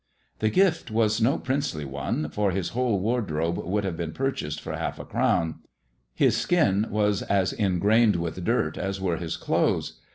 The gift was no princely one, for his whole wardrobe could have been purchased for half a crown. His skin was as ingrained with dirt as were his clothes.